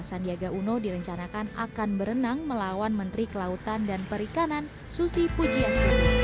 sandiaga uno direncanakan akan berenang melawan menteri kelautan dan perikanan susi pujias